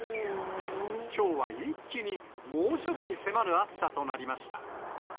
きょうは一気に猛暑日に迫る暑さとなりました。